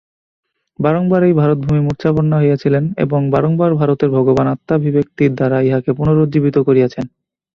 বারংবার এই ভারতভূমি মূর্ছাপন্না হইয়াছিলেন এবং বারংবার ভারতের ভগবান আত্মাভিব্যক্তির দ্বারা ইঁহাকে পুনরুজ্জীবিত করিয়াছেন।